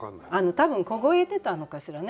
多分凍えてたのかしらね